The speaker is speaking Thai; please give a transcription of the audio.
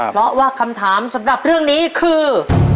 เพราะว่าคำถามสำหรับเรื่องนี้คือ